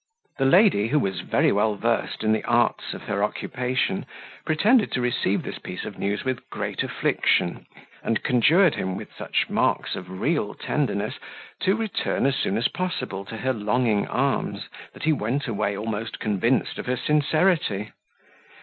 The lady, who was very well versed in the arts of her occupation, pretended to receive this piece of news with great affliction, and conjured him, with such marks of real tenderness, to return as soon as possible to her longing arms, that he went away almost convinced of her sincerity.